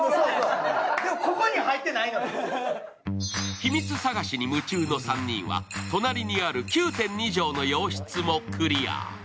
秘密探しに夢中の３人は、隣にある９．２畳の洋室もクリア。